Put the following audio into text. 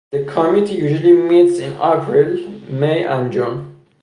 The committee usually meets in April, May and June.